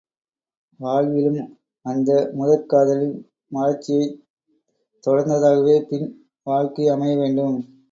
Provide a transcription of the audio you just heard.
வாழ்விலும் அந்த முதற் காதலின் மலர்ச்சியைத் தொடர்ந்ததாகவே பின் வாழ்க்கை அமைய வேண்டும்.